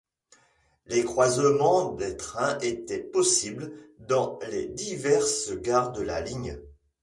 Les croisements des trains étaient possibles dans les diverses gares de la ligne.